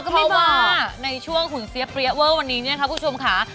มากในช่วงหุ่นเสียเปรี้ยวเวิล์ส์วันนี้เนี่ยค่ะคุณผู้ชมค่ะ